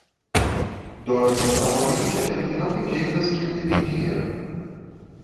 Dorme mais calmamente aquele que não tem dívidas que o que tem dinheiro.